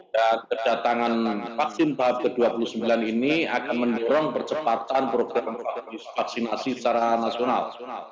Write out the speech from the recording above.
dan kedatangan vaksin tahap ke dua puluh sembilan ini akan menurunkan percepatan program vaksinasi secara nasional